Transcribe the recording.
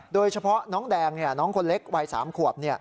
โดยเฉพาะน้องแดงน้องคนเล็กวัย๓ขวบ